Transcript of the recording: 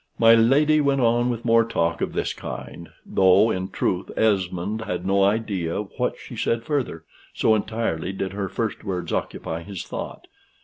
My lady went on with more talk of this kind, though, in truth, Esmond had no idea of what she said further, so entirely did her first words occupy his thought.